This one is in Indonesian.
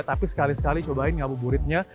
tapi sekali sekali cobain ngabuburitnya